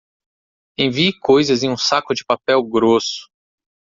Envie coisas em um saco de papel grosso.